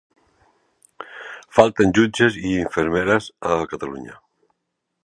Falten jutges i infermeres a Catalunya.